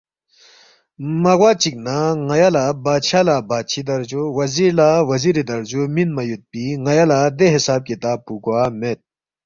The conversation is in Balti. مہ گوا چِک نہ ن٘یا لہ بادشاہ لہ بادشی درجو، وزیر لہ وزیری درجو مِنما یودپی ن٘یا لہ دے حساب کتاب پو گوا مید